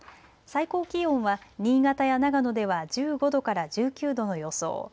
最高気温は、新潟や長野では１５度から１９度の予想。